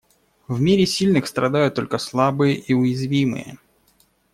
В мире сильных страдают только слабые и уязвимые.